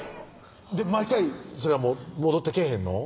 毎回それは戻ってけぇへんの？